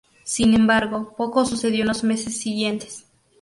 Sin embargo, poco sucedió en los meses siguientes.